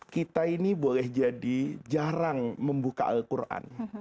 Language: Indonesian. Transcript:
kita ini boleh jadi jarang membuka al quran